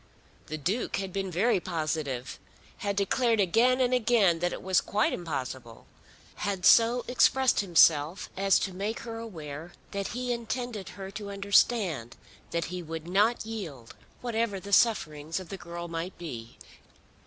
The Duke had been very positive, had declared again and again that it was quite impossible, had so expressed himself as to make her aware that he intended her to understand that he would not yield whatever the sufferings of the girl might be.